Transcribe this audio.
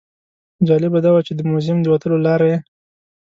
جالبه دا وه چې د موزیم د وتلو لاره یې.